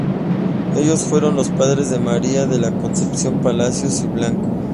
Ellos fueron los padres de María de la Concepción Palacios y Blanco.